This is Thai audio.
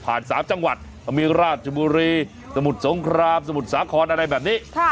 ๓จังหวัดก็มีราชบุรีสมุทรสงครามสมุทรสาครอะไรแบบนี้